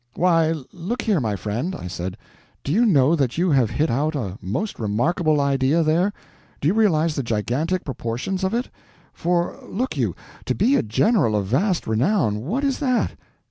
"Why, look here, my friend," I said, "do you know that you have hit out a most remarkable idea there? Do you realize the gigantic proportions of it? For look you; to be a general of vast renown, what is that?